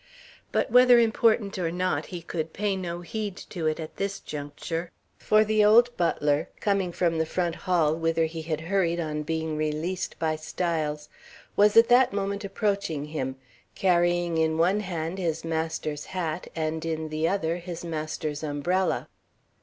But whether important or not, he could pay no heed to it at this juncture, for the old butler, coming from the front hall whither he had hurried on being released by Styles, was at that moment approaching him, carrying in one hand his master's hat and in the other his master's umbrella.